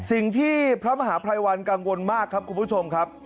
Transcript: สิ่งที่พระมหาภัยวันกังวลมากครับคุณผู้ชมครับ